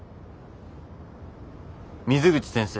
水口先生